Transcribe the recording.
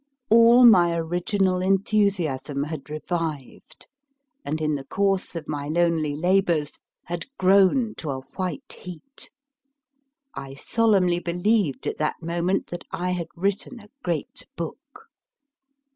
All my original enthusiasm had revived, and in the course of my lonely labours had grown to a white heat. I solemnly be lieved at that moment that I had written a great book.